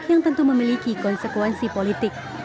yang tentu memiliki konsekuensi politik